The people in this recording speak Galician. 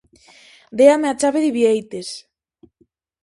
Déame a chave de Bieites!